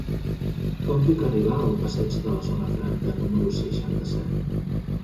Com puc arribar al passeig de la Zona Franca número seixanta-set?